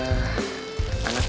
aku punya buah